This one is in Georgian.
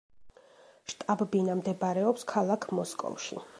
შტაბ-ბინა მდებარეობს ქალაქ მოსკოვში.